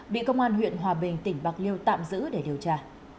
bị công an huyện hòa bình tỉnh bạc liêu tạm giữ để điều tra